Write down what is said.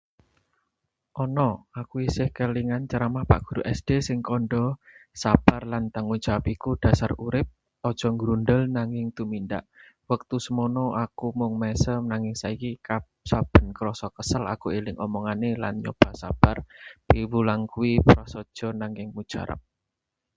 Ana. Aku isih kelingan ceramah Pak Guru SD sing kandha, Sabar lan tanggung jawab iku dhasar urip, aja nggrundel, nanging tumindak. Wektu semana aku mung mesem, nanging saiki saben krasa kesel aku eling omongane lan nyoba sabar. Piwulang kuwi prasaja nanging mujarab.